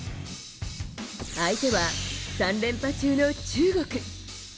相手は３連覇中の中国。